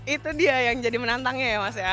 itu dia yang jadi menantangnya ya mas ya